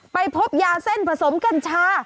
ไปพบยาเส้นผสมกัญชา